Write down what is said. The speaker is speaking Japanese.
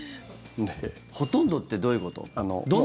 ほとんどってどういうこと？